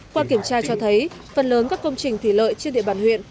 qua kiểm tra cho thấy phần lớn các công trình thủy lợi trên địa bàn huyện